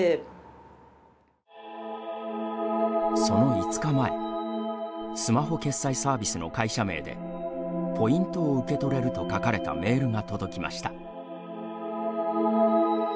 その５日前スマホ決済サービスの会社名で「ポイントを受け取れる」と書かれたメールが届きました。